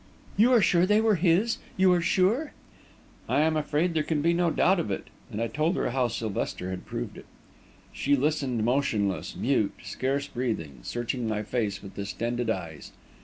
"You are sure they were his you are sure?" "I am afraid there can be no doubt of it," and I told her how Sylvester had proved it. She listened motionless, mute, scarce breathing, searching my face with distended eyes.